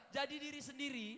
jadi diri sendiri